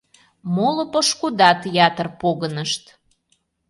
Моло пошкудат ятыр погынышт.